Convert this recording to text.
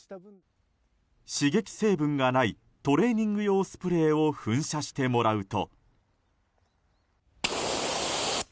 刺激成分がないトレーニング用スプレーを噴射してもらうと。